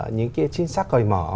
những cái chính sách cởi mở